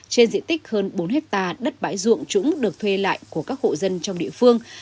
trên diện tích hơn bốn hectare đất bãi dụng trũng được thuê lại của các hộ dân trong địa phương